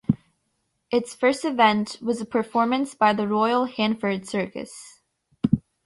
Its first event was a performance by the Royal Hanneford Circus.